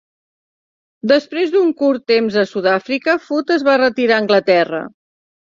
Després d'un curt temps a Sudàfrica, Foot es va retirar a Anglaterra.